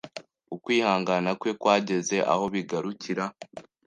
Ukwihangana kwe kwageze aho bigarukira.